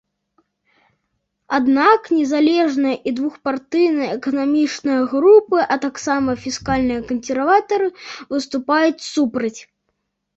Аднак незалежныя і двухпартыйныя эканамічныя групы, а таксама фіскальныя кансерватары, выступаюць супраць.